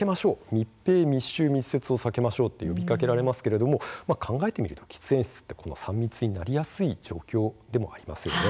密閉、密集、密接を避けましょうと呼びかけられますけれども考えてみると喫煙室というのはこの３密になりやすい状況でもあります。